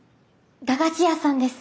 駄菓子屋さんです。